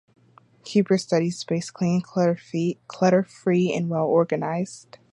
Keep your study space clean, clutter-free, and well-organized.